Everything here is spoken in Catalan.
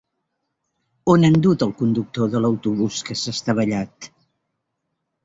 On han dut al conductor de l'autobús que s'ha estavellat?